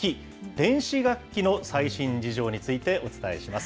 電子楽器の最新事情についてお伝えします。